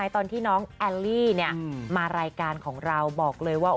ตอนที่น้องแอลลี่มารายการของเราบอกเลยว่า